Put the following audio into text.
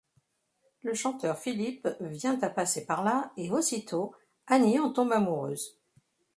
Le chanteur Philippe vient à passer par là et aussitôt Annie en tombe amoureuse.